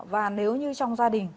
và nếu như trong gia đình